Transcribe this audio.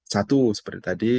satu seperti tadi